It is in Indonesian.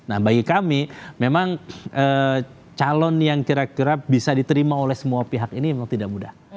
nah bagi kami memang calon yang kira kira bisa diterima oleh semua pihak ini memang tidak mudah